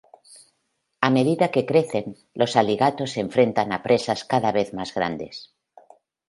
A medida que crecen, los alligator se enfrentan a presas cada vez más grandes.